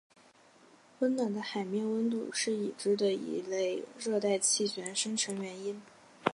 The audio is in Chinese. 温暖的海面温度是已知的一类热带气旋生成原因。